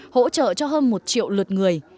hỗ trợ cho hơn một triệu luật người